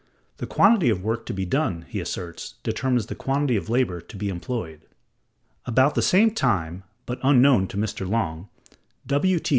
The quantity of work to be done, he asserts, determines the quantity of labor to be employed. About the same time (but unknown to Mr. Longe), W. T.